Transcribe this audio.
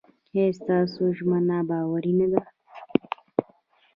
ایا ستاسو ژمنه باوري نه ده؟